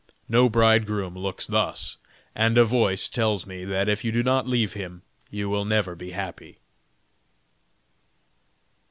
No bridegroom looks thus, and a voice tells me that if you do not leave him, you will never be happy."